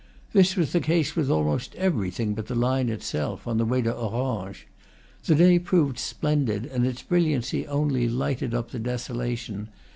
This was the case with almost everything but the line itself, on the way to Orange. The day proved splendid, and its brilliancy only lighted up the desola tion.